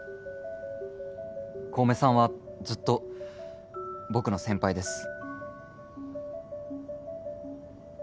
小梅さんはずっと僕の先輩です。